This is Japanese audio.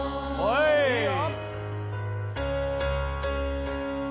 いいよ！